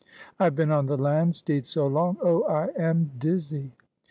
I have been on the Land steed so long, oh I am dizzy!"